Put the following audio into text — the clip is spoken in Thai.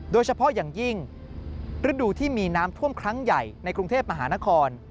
โดยเฉพาะอย่างยิ่งฤดูที่มีน้ำท่วมครั้งใหญ่ในกรุงเทพมหานคร